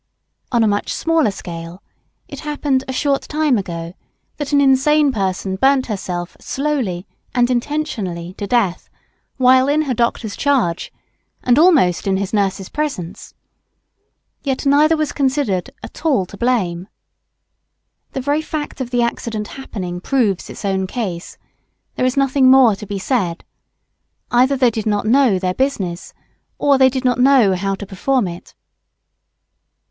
On a much smaller scale, it happened, a short time ago, that an insane person burned herself slowly and intentionally to death, while in her doctor's charge and almost in her nurse's presence. Yet neither was considered "at all to blame." The very fact of the accident happening proves its own case. There is nothing more to be said. Either they did not know their business or they did not know how to perform it.